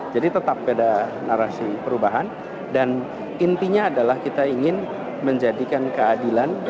jadi tetap beda narasi perubahan dan intinya adalah kita ingin menjadikan keadilan